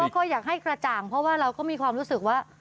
ก็อยากให้กระจ่างเพราะว่าเราก็มีความรู้สึกว่า